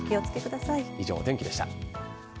以上、お天気でした。